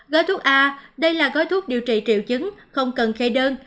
gói thuốc a đây là gói thuốc điều trị triệu chứng không cần khe đơn